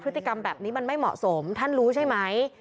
พฤติกรรมแบบนี้มันไม่เหมาะสมท่านรู้ใช่ไหม